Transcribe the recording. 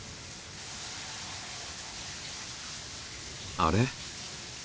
あれ？